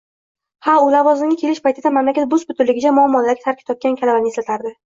Ha, u lavozimga kelish paytida mamlakat bus-butunligicha muammolardan tarkib topgan kalavani eslatardi